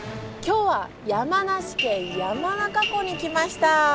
今日は山梨県山中湖に来ました。